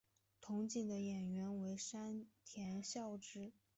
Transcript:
憧憬的演员为山田孝之。